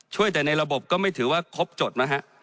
ช่วยแต่ในระบบก็ไม่ถือว่าครบจดนะฮะ